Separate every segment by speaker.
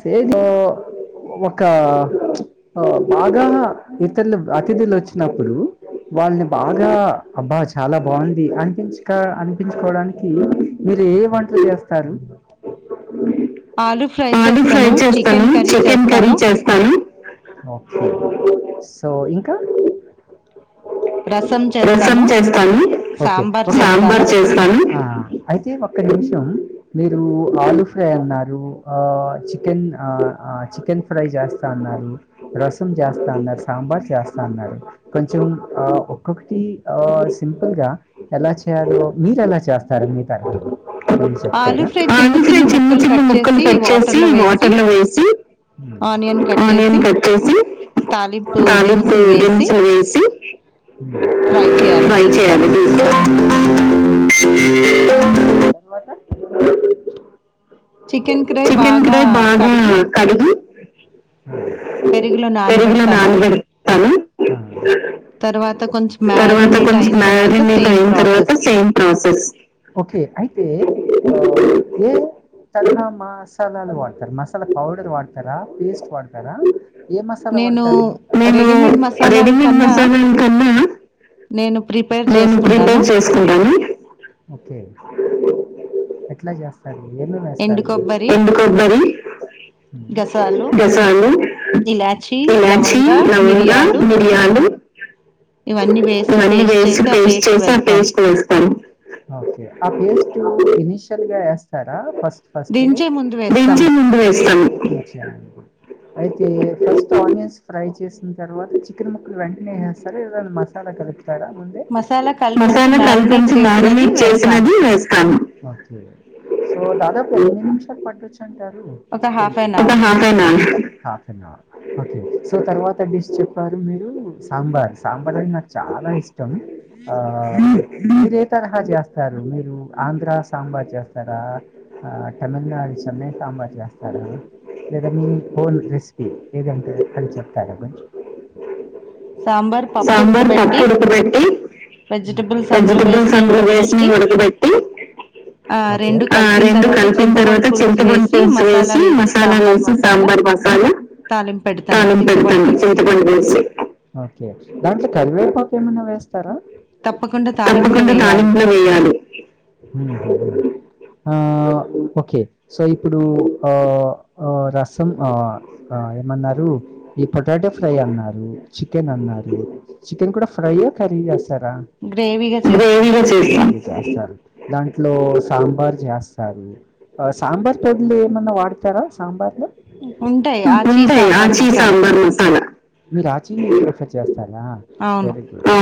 Speaker 1: సేతో ఒక ప్చ్ బాగా ఇతరులు అతిథులు వచ్చినప్పుడు వాళ్ళని బాగా అబ్బా చాలా బాగుంది అనిపించ అనిపించుకోవడానికి మీరు ఏ వంటలు చేస్త సారు ఆలు ఫ్రై చేస్తను, చికెన్ కర్రీ చేస్తను. ఓకే సో ఇంకా రసం చేస్తాను సాంబార్ చేస్తాను అయితే ఒక్క నిమిషం మీరు ఆలు ఫ్రై అన్నారు ఆ చికెన్ చికెన్ ఫ్రై చేస్తాన్నారు రసం చేస్తాన్నారు సాంబార్ చేస్తాన్నారు కొంచెం ఒక్కొక్కటి సింపుల్గా ఎలా చేయాలో మీరు ఎలా చేస్త సరి తర్ చె చిన్న చిన్న ము కట్ చేసి వాటర్లు వేసి ఆనియన్ కట్ చేసి తాలిపు దిన్సులు వేసి ఫ్రై చేయాలి చికెన్ క్రై బాగా కడిగి పెరుగుల నానబెడతాను తర్వాత కొంచెం మారినట్ అయిన తర్వాత సేమ్ ప్రాసెస్ ఓకే అయితే ఉ తల మసాలాలు వాడతారు మసాలా పౌడర్ వాడతారా పేస్ట్ వాడతారా ఏ మసాలా పడతాను నేను రెడీమేడ్ మసాలాల కన్నా నేను ప్రిపేర్ చేసుకుంటాను ఓకే ఎట్లా జేస్తరు ఏ ఎండుకొబ్బరి గసలు ఇలాచి లవంగా మిరియాలు ఇవన్నీ వేసి పేస్ట్ చేసి ఆ పేస్ట్ వేస్తాను గా యేస్తారా ఫస్ట్ దించే ముందు వేస్తాను అయితే ఫస్ట్ ఆనియన్స్ ఫ్రై చేసిన తర్వాత చికెన్ ముక్కలు వెంటనే వేస్సరా ఏద మసాలా కదపి మసాలా కలిపించి మ్యారినేట్ చేసినది వేస్తాను ఓకే సో దాదా ఎన్ని నిమిషాలు పట్టొచ్చు అబా హదేనా half an hour okay so తర్వాత డిష్ చెప్పారు మీరు సాంబార్ సాంబార్ అని నాకు చాలా ఇష్టం ఇష్టం ఆ మీరే సలహా చేస్తారు మీరు ఆంధ్ర సాంబార్ చేస్తారా తమిళనాడు సమ్మయం సాంబార్ చేస్తారుా లేదా మీ హోల్ రెసిపీ ఏదంటే అని చెప్తారా కొంచెం సాంబార్ పప్పు ఉడుకు బేట్టి వెజిటబుల్స్ అందులో వేసి ఉడక పెట్టి అ రెండు కలిపిన తర్వాత చింతపొండు పులుసు వేసి మసాలా వేసి సాంబార్ మసాలా తానం పెడతాను చింతపండు వేసి ఓకే దాంట్లో కరివేపాకేమన్నా వేస్తా తప్పకుండా తాలింపులో వేయాలి ఆ ఓకే సో ఇప్పుడు ఆ రసం ఆ ఏమన్నారు ఈ పొటాటా ఫ్రై అన్నారు చికెన్ అన్నారు చికెన్ కూడా ఫ్రై ఆ కరీ గ్రేవీ గ చేస్తా చేస్తారు దాంట్లో సాంబార్ జస్తారు ఆ సాంబార్ తోడ్లు ఏమన్నా వాడతారా సాంబార్లు ఉంటాయి ఆచి సాంబార్ చేస్తార్ అ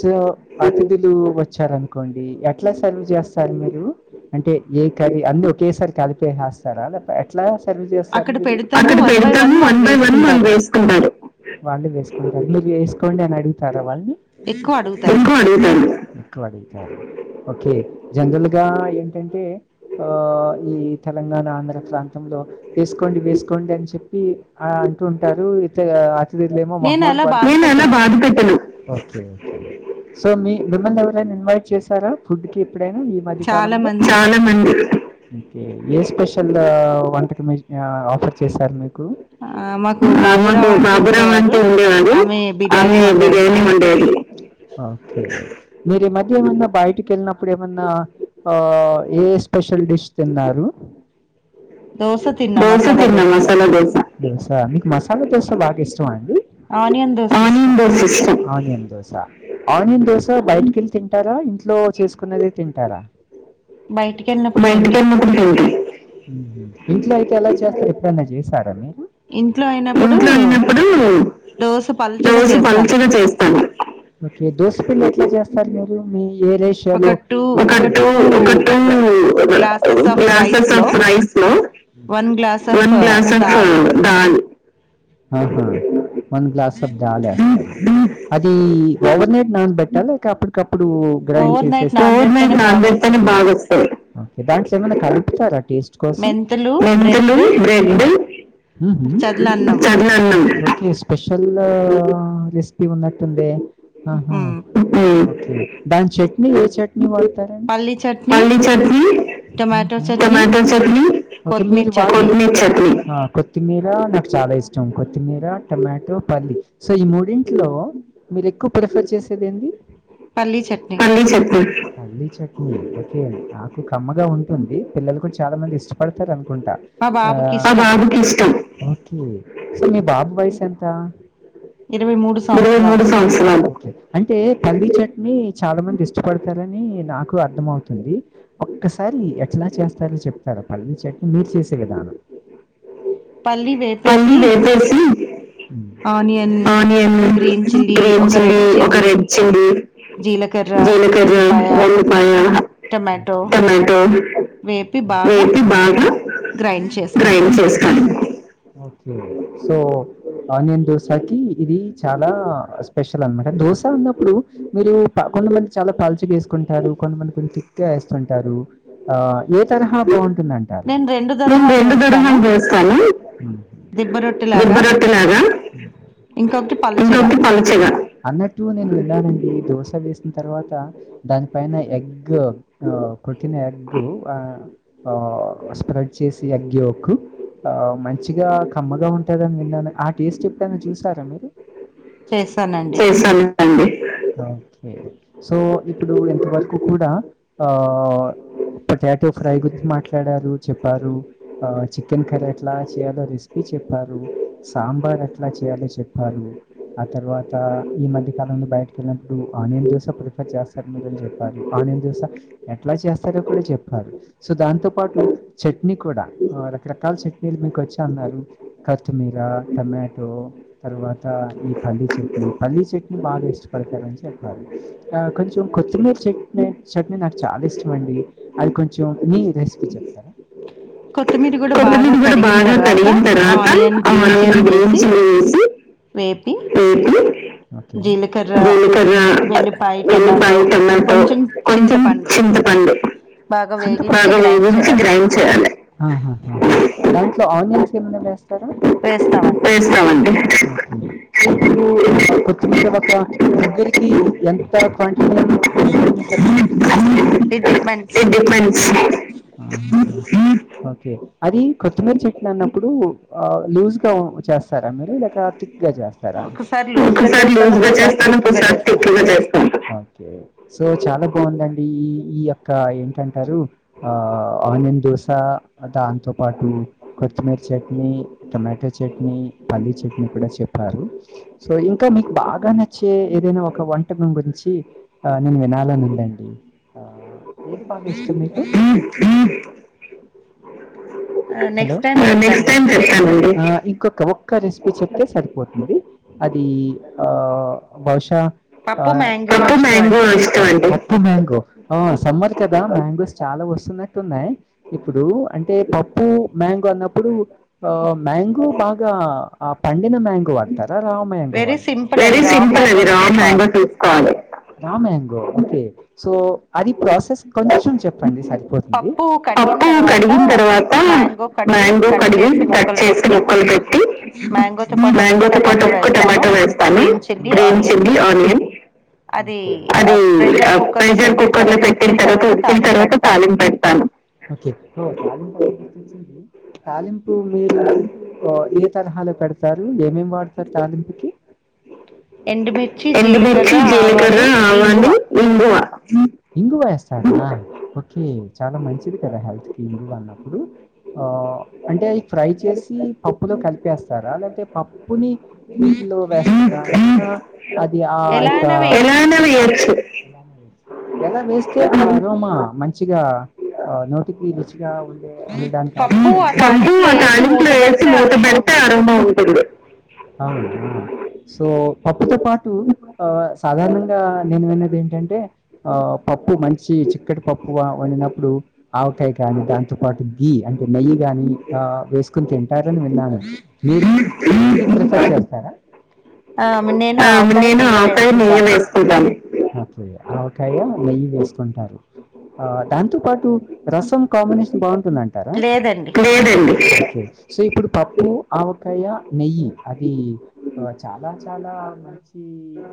Speaker 1: సో అతిథులు వచ్చార అనుకోండి ఎట్లా సర్వ్ చేస్తారు మీరు అంటే ఏ కర్రిఅందు ఒకేసారి కలిపేస్తారా లేద ఎట్లా సర్వ్ చేస్తారు మీరు అక్కడ పెడతాము వన్ బై వన్ మళు వేసుకుంటారు వాళ్ళు వేస్కంట వేస్కొ నడీతారా వాళ్ళు ఎక్కువగా అడిగితాను ఎక్కువడింట ఓకే జనరల్ గా ఏంటంటే ఆ ఈ తెలంగాణ ఆంధ్ర ప్రాంతంలో వేసుకోండి వేసుకోండి అని చెప్పి ఆ అంటూ ఉంటారు ఇ మో మహమ్మా పాడలో నేను అల బాధ పెట్టను ఓకేే సో మీ మిమ్మల్ని ఎవరైనా ఇన్వైట్ చేశారా ఫుడ్ కి ఎప్పుడైనా ఈ మధ్య ాల చాలా మంది కే ఏ స్పెషల్ వంటక మీ ఆఫర్ చేశారు మీరు అమెకు పాపురాం అంటే ఉండేవండి ఆమె బిర్యానీ ఉండేది మీరే మధ్య ఏమన్నా బయటికి వెళ్ళినప్పుడు ఏమన్నా ఆ ఏ స్పెషల్ డిష్ తిన్నారు దోస తిరున్నా మసాలా దోస దోస అ మసాల చాల బేస్ట్ అ ఆఫీస్ అడి ఆనిందర్ system onion dosa onion dosa బయటికెళ్ళి తింటారా ఇంట్లో చేసుకున్నది తింటారా మా ఇంటికి వెళ్ళినప్పుడు తింటాం ఇంట్లో అయితే ఎలా చేస్తారు ఎప్పుడైనా చేసారని ఇంట్లో అయినప్పుడు దోసు పంచుగా చేస్తాను దోశ పండి ఎట్లా చేస్తాను ఫర్వరి ఉమ ఏ రేషనో ఒక
Speaker 2: టూ గ్లాసెస్ ఆఫ్ రైస్ లో one glass of dal
Speaker 1: to ఆహా వన్ గ్లాస్ అబ్ధ దాలా అది ఓవర్నడ్ నాన్బట్టాలి లేక అప్పటికప్పు ఇప్పుడు గ్రైండ్ చేసే టూర్మెంట్న్ బాగా వస్తాయి దాంట్లో ఏమన్నా కలుపుతారా టేస్ట్ కోసం ఊహూ చర్ణన్నా ఈ స్పెషల్ రెసిపీ ఉన్నట్టుంది ఆహా దాని చట్నీ ఏ చట్నీ మీ వాడతారా ఊహూ ఒకే మీరూ ఇవీ వాడతారా ఆ కొత్తిమీర న చాలా ఇష్టం కొత్తిమీర టమాటో పల్లి సో ఈ మూడింట్లో మీరు ఎక్కువ ప్రిఫర్ చేసేది ఏందీ.
Speaker 2: పల్లీ చట్నీ
Speaker 1: పల్లీ చట్నీ ఓకే అం నాకు కమ్మగా ఉంటుంది పిల్లలు కూడా చాలా మంది ఇష్టపడతారు అను కుంటా ఆ.. హు సో మీ బాబు వయసు ఎంత ఇరవై మూడు సంవత్సరలు అంటే పల్లీ చట్నీ చాలా మంది ఇష్టపడతారని నాకు అర్థ అవుతుంది ఒక్కసారి ఎట్లా చేస్తారో చెప్తారా పల్లీ చట్నీ మీరు చేసే విధానం
Speaker 2: పల్లీ వే
Speaker 1: పల్లీ వేపేసి ఉ ఉ ఉ ఓకే సో ఆనియన్ దోసాకి ఇది చాలా స్పెషల్ అనమాట దోశ ఆన్నప్పుడు మీరు కొంతమంది చాలా పాల్చు వేసుకుంటారు కొంతమంది కొ తిక్కుగా వేస్తుంటారు ఆ ఏ తరహా బాఉమ్ తిన్నంటారు ఊహూ ఆ ఇంకోటి పలుచగా అన్నట్టు నేను విన్నానండీ దోస వేసిన తర్వాత దాని పైన ఎగ్ కొట్టిన ఎగ్ఆ ఆ స్ప్రెడ్ చేసి ఎగ్ యోల్క్ఆ మంచిగా కమ్మగా ఉంటదని విన్నాను ఆ టేస్ట్ ఎప్పుడైనా చూసారా మీరు
Speaker 2: చేస్తానండి
Speaker 1: అండి ఓకే సో ఇప్పుడు ఇంతవరకు కూడా ఆ పొటాటో ఫ్రై గురించి మాట్లాడారు చెప్పారు ఆ చికెన్ కర్రీ ఎట్లా చేయాలో రెసిపీ చెప్పారు సాంబార్ ఎట్లా చేయాలో చెప్పారు ఆ తర్వాత ఈ మధ్య కాలంలో బయటి కేళ్ళినప్పుడు ఆనియన్ దోస ప్రిఫర్ చేస్తారు మీరని చెప్పారు ఆనియన్ దోస ఎట్లా చేస్తారో కూడా చెప్పారు సో దాంతో పాటు చట్నీ కూడా రకరకాల చట్నీల మీ కొచ్చనవి కొత్తిమీర టమాటో తర్వాత ఈ పల్లీ చట్నీ పల్లీ చట్నీ బాగా ఇష్టపడతారని చెప్పారు ఆ కొంచెం కొత్తిమీర చట్ చట్నీ నాకు చాలా ఇష్టమండి అది కొంచెం మీ రెసిపీ చెప్తారా
Speaker 2: కొత్తిమీర కూడా బాగా కడిగిం
Speaker 1: ఒక చింతపండ ఆహా ట్లో ఆనియన్స్ తిను వేస్తారా వేస్తామండి ఇప్పుడు కొత్తిమీర ఒక దగ్గరికి ఇట్ డిపెండ్స్ హూ హు ఓకే అది కొత్తిమీర చ దాన్ని అప్పుడు ఆ లూజ్ గా చేస్తారా మీరు లేక తి తిక్ గా జేస్తారా ఒక్కసారి లూజ్గా చేస్తాను ఒక్కసారి తిక్గా చేస్తాను సో చాలా బాగుందండి ఈ ఈ యొక్క ఏంటంటారు ఆ ఆనియన్ దోస దాంతో పాటు కొత్తిమీర చట్నీ టొమాటో చట్నీ పల్లీ చట్నీ కూడా చెప్పారు సో ఇంకా మీకు బాగా నచ్చే ఏదైనా ఒక వంటకం గురించి ఆ నేను వినాలని ఉందండి ఆ ఏది బాగా ఇష్టం మీకు అ హలో నెక్స్ట్ టైమ్ చెప్తానండి ఇంకొక ఒక్క రెసిపీ చెప్తే సరిపోతుంది అది ఆ బహుశా ఆ పప్పు మ్యాంగో ఇష్టం అండి ప్పు మ్యాంగో ఆ సమ్మర్ కదా మ్యాంగోస్ చాలా వస్తున్నట్టు ఉన్నాయి ఇప్పుడు అంటే పప్పు మ్యాంగో అన్నప్పుడు ఆ మ్యాంగో బాగా ఆ పండిన మ్యాంగో అంటారు రా మాంగో వాడుతారా వెరీ సింపుల్ అది రా మాంగో చూసుకోవాలే రా మంగో ఓకే సో అది ప్రాసెస్ కొంచెం చెప్ చెప్పండి సరిపోతుంది పప్పు కడిగిన తర్వాత మ్యాంగో కడిగి కట్ చేసి ముక్కలు పెట్టి మ్యాంగోతో పాటు ఒక్క టమాటో వేస్తాను. గ్రీన్ చిల్లీ ఆనియన్ అది ప్రెషర్ కుక్కర్ లో పెట్టిన తర్వాత ఉడికిన తర్వాత తాలింపు [unintelligible] ఓకే [unintelligible] తాలింపు మీరు ఏ తరహాలో పెడతారు, ఏమేం వాడతారు తాలింపుకి. ఎండు మిర్చి, జీలకర్ర, ఆవాలు, ఇంగువా ఇంగువ వేస్తారా ఓకే చాలా మంచిది కదా హెల్త్ కి ఇంగువ అన్నప్పుడు. ఆ అంటే అది ఫ్రై చేసి పప్పులో కలిపేస్తారా లేతే పప్పుని లో వ [unintelligible] అది య ఇంకా ఎలాగైనా వెయ్యొచ్చు. మాంగోస్ ఎలా వేస్తే అలా యో మ మంచిగా నోటికి రుచి జ ఉండే విల్ డన్ ఉ పప్పు ఆ తలింపులో ఎసి మూత పెడితే ఆరోమా ఉంటుంది సో పప్పుతో పాటు ఆ సాధారణంగా నేను విన్నది ఏంటంటే ఆ పప్పు మంచి చిక్కటి పప్పు వండినప్పుడు ఆవకాయ కానీ దాంతో పాటు గి అం నెయ్యిగాని ఆ వేసుకుని తి [unintelligible] చాలా
Speaker 2: ఆ నేను ఆవకాయ నెయ్యి వేసుకుంటాను.
Speaker 1: అయ ఆవకాయ నెయ్యి వేసుకుంటారు. ఆ దాంతో పాటు రసం కాంబినేషన్ బాగుంటు అంటారా లేేదండి సో ఇప్పుడు పప్పు, ఆవకాయ, నెయ్యి అది చాలా చాలా మంచి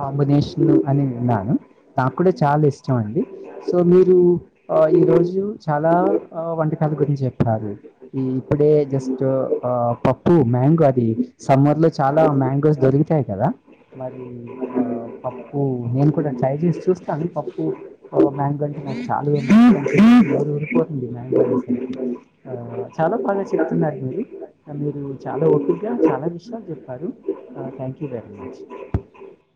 Speaker 1: కాంబినేషన్ అని విన్నాను. నాకు కూడా చాలా ఇష్టం అండి. సో మీరు ఈరోజు చాలా వంటకాల గురించి చె సది ఈ ఇప్పుడే జస్ట్ ఆ పప్పు. మ్యాంగో అది సమ్మర్ లో చాలా మ్యాంగోస్ దొరుకుతాయి కదా. మరి ఆ పప్పు నేను కూడా ట్రై చేసి చూస్తాను పప్పు. మాంగోస్ చాలు ఇప్పుడు వచ్చింది మ్యాంగో సీజన్ ఆ చాలా బాగా చెప్తున్నారు మీరు. మీరు చాలా ఓప్పిగా చాలా విషయాలు చెప్పారు థ్యాంక్ యూ వెరీ మచ్.